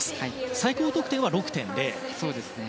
最高得点は６．０。